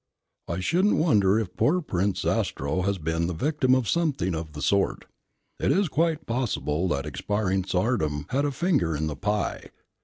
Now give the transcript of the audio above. I shouldn't wonder if poor Prince Zastrow has been the victim of something of the sort. It is quite possible that expiring Tsardom had a finger in the pie.